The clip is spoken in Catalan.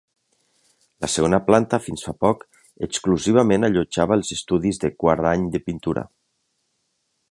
La segona planta fins fa poc exclusivament allotjava els estudis de quart any de pintura.